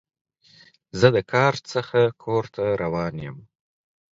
زه د کار څخه کور ته روان یم.